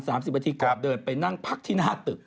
ประมาณ๓๐วันทีกลับเดินไปนั่งพักที่หน้าตึก